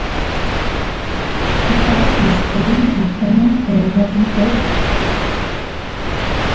Michelle and Stephen are planning their wedding day.